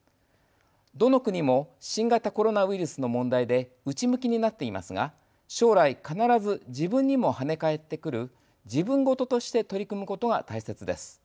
どの国も新型コロナウイルスの問題で内向きになっていますが将来、必ず自分にも跳ね返ってくる自分ごととして取り組むことが大切です。